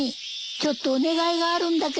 ちょっとお願いがあるんだけど。